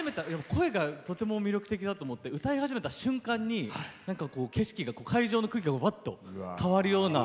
声がとても魅力的だと思って歌い始めた瞬間に景色が、会場の空気がわっと変わるような